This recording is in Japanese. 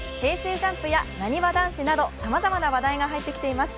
ＪＵＭＰやなにわ男子などさまざまな話題が入ってきています。